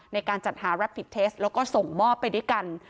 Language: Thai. ในการจัดหารับผิดเทสแล้วก็ส่งมอบไปด้วยกัน